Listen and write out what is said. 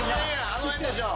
あの辺でしょう。